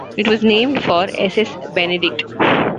It was named for S. S. Benedict.